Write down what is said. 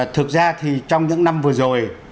thực ra thì trong những năm vừa rồi